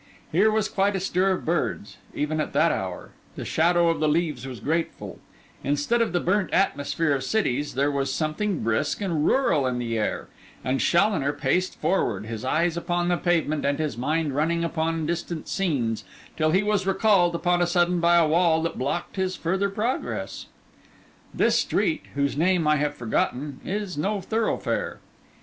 Here was quite a stir of birds; even at that hour, the shadow of the leaves was grateful; instead of the burnt atmosphere of cities, there was something brisk and rural in the air; and Challoner paced forward, his eyes upon the pavement and his mind running upon distant scenes, till he was recalled, upon a sudden, by a wall that blocked his further progress. This street, whose name I have forgotten, is no thoroughfare.